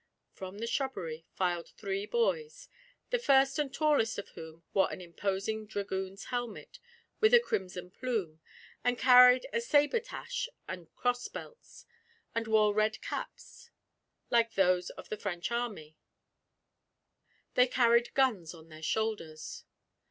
From the shrubbery filed three boys, the first and tallest of whom wore an imposing dragoon's helmet with a crimson plume, and carried a sabretache and crossbelts, and wore red caps like those of the French army; they carried guns on their shoulders.